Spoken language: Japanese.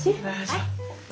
はい。